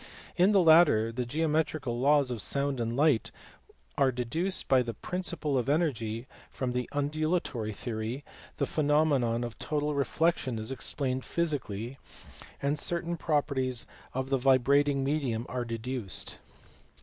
In the latter the geometrical laws of sound and light are deduced by the principle of energy from the undulatory theory, the phenomenon of total reflexion is explained physically, and certain properties of the vibrating medium are deduced.